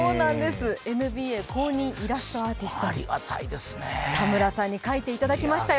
ＮＢＡ公認イラストアーティストの田村さんに描いていただきましたよ。